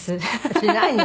しないの？